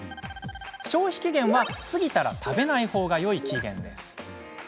消費期限は、過ぎたら食べない方がいい期限です。